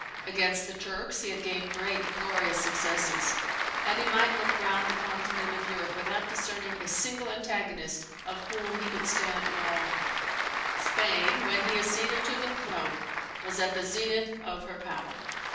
Against the Turks he had gained great and glorious successes; and he might look round the continent of Europe without discerning a single antagonist of whom he could stand in awe. Spain, when he acceded to the throne, was at the zenith of her power.